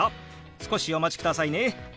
少しお待ちくださいね。